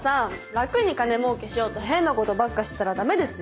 楽に金もうけしようと変なことばっかしてたらダメですよ！